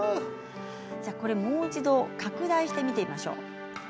もう一度拡大して見てみましょう。